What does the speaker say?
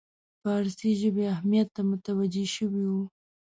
فارسي ژبې اهمیت ته متوجه شوی وو.